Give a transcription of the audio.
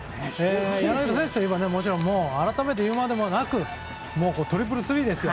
柳田選手といえばもちろん改めて言うまでもなくトリプルスリーですよ。